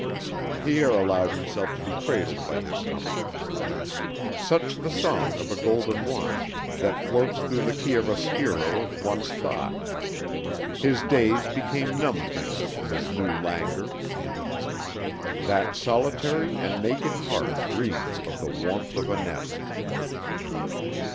Pierre allowed himself to be cradled by this humming. Such the song of a golden wasp that floats through the chiaroscuro of one's thought. His days became numb things in this new languor. That solitary and naked heart dreamed of the warmth of a nest.